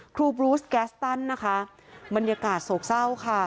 ครูบรูซแกสตันมันอย่าการโศกเศร้าค่ะ